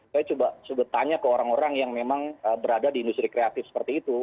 saya coba tanya ke orang orang yang memang berada di industri kreatif seperti itu